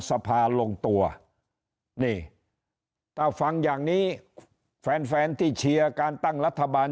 สภาลงตัวนี่ถ้าฟังอย่างนี้แฟนแฟนที่เชียร์การตั้งรัฐบาล